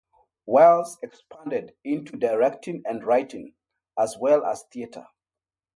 Wiles expanded into directing and writing, as well as theatre.